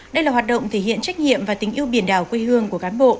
đây là hoạt động thể hiện trách nhiệm và tình yêu biển đảo quê hương của cán bộ